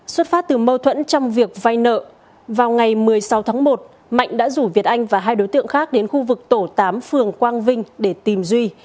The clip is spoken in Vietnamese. xuất phát từ mâu thuẫn trong việc vay nợ vào ngày một mươi sáu tháng một mạnh đã rủ việt anh và hai đối tượng khác đến khu vực tổ tám phường quang vinh để tìm duy